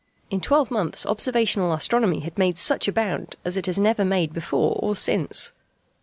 In twelve months observational astronomy had made such a bound as it has never made before or since.